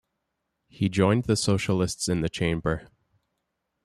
He joined the Socialists in the chamber.